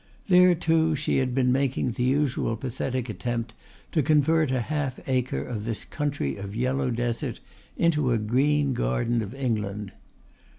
There, too, she had been making the usual pathetic attempt to convert a half acre of this country of yellow desert into a green garden of England.